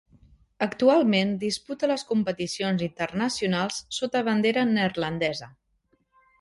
Actualment, disputa les competicions internacionals sota bandera neerlandesa.